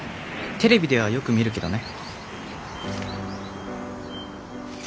テレビではよく見るけどね」。